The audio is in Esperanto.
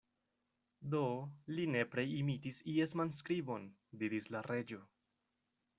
"Do, li nepre imitis ies manskribon," diris la Reĝo.